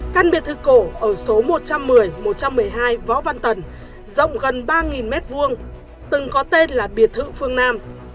căn biệt thự cổ ở số một trăm một mươi một trăm một mươi hai võ văn tần rộng gần ba m hai từng có tên là biệt thự phương nam